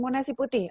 mau nasi putih